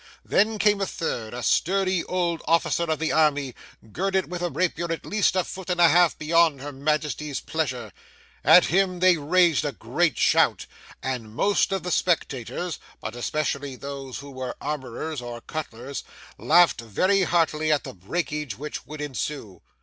Then came a third, a sturdy old officer of the army, girded with a rapier at least a foot and a half beyond her Majesty's pleasure; at him they raised a great shout, and most of the spectators (but especially those who were armourers or cutlers) laughed very heartily at the breakage which would ensue.